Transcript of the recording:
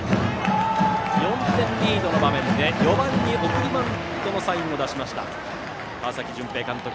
４点リードの場面で４番に送りバントのサインを出した川崎絢平監督。